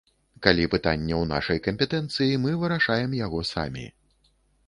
Калі пытанне ў нашай кампетэнцыі, мы вырашаем яго самі.